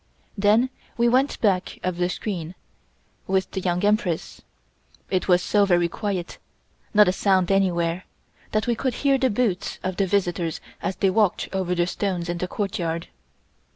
Then we went back of the screen, with the Young Empress. It was so very quiet, not a sound anywhere, that we could hear the boots of the visitors as they walked over the stones in the courtyard.